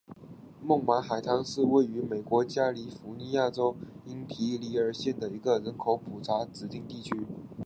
孟买海滩是位于美国加利福尼亚州因皮里尔县的一个人口普查指定地区。